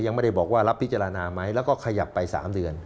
ยังไม่ได้บอกว่ารับพิจารณาไหมแล้วก็ขยับไป๓เดือน